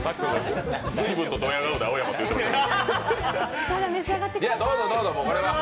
随分とどや顔で青山って言ってましたよ。